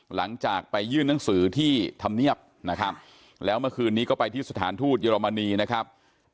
หลังจากไปยื่นหนังสือที่ธรรมเนียบนะครับแล้วเมื่อคืนนี้ก็ไปที่สถานทูตเยอรมนีนะครับ